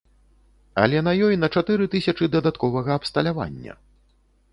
Але на ёй на чатыры тысячы дадатковага абсталявання.